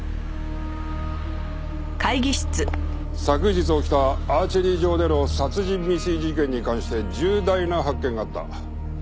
昨日起きたアーチェリー場での殺人未遂事件に関して重大な発見があった。